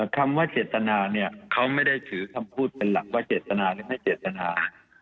คำว่าเจตนาเนี่ยเขาไม่ได้ถือคำพูดเป็นหลักว่าเจตนาหรือไม่เจตนา